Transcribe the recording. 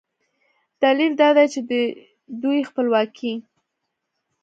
دلیل دا دی چې د دوی خپلواکي